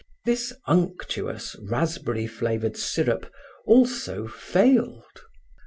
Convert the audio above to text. This unctuous raspberry flavored syrup also failed.